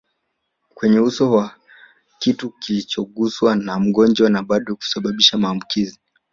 kwenye uso wa kitu kilichoguswa na mgonjwa na bado kusababisha maambukizi